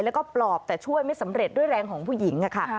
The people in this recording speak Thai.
แล้วก็ปลอบแต่ช่วยไม่สำเร็จด้วยแรงของผู้หญิงค่ะ